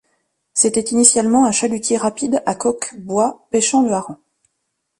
C'était initialement un chalutier rapide à coque bois pêchant le hareng.